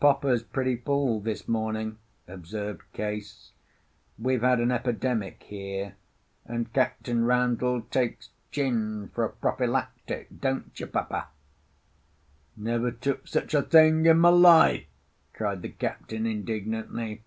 "Papa's pretty full this morning," observed Case. "We've had an epidemic here; and Captain Randall takes gin for a prophylactic—don't you, Papa?" "Never took such a thing in my life!" cried the captain indignantly.